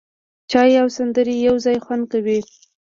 چای او سندرې یو ځای خوند کوي.